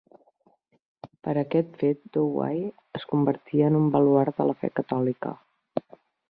Per aquest fet Douai es convertí en un baluard de la fe catòlica.